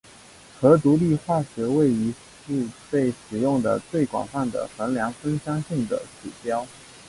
核独立化学位移是被使用得最广泛的衡量芳香性的指标。